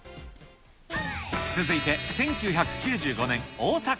続いて１９９５年、大阪。